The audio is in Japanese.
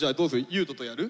優斗とやる？